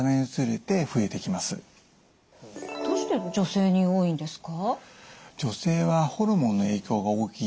どうして女性に多いんですか？